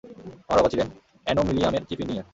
আমার বাবা ছিলেন অ্যানোমিলিয়ামের চিফ ইঞ্জিনিয়ার।